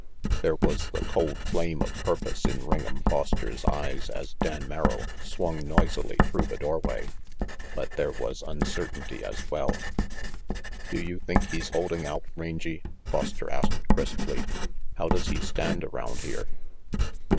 There was the cold flame of purpose in Ring'em Foster's eyes as Dan Merrill swung noisily through the doorway; but there was uncertainty as well. "Do you think he's holding out, Rangy?" Foster asked crisply. "How does he stand around here?"